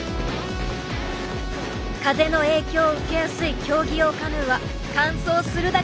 風の影響を受けやすい競技用カヌーは完走するだけでも一苦労。